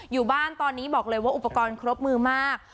อยู่บ้านตอนนี้บอกเลยว่าอุปกรณ์ครบมือมาก